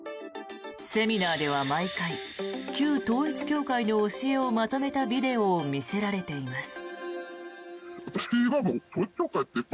セミナーでは毎回旧統一教会の教えをまとめたビデオを見せられています。